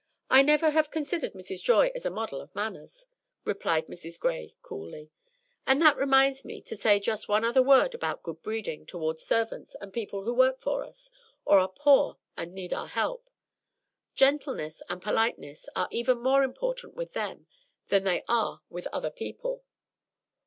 I never have considered Mrs. Joy as a model of manners," replied Mrs. Gray, coolly. "And that reminds me to say just one other word about good breeding toward servants and people who work for us, or are poor and need our help. Gentleness and politeness are even more important with them than they are with other people."